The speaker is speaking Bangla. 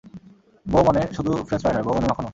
বউ মানে শুধু ফ্রেঞ্চ ফ্রাই নয়, বউ মানে মাখনও!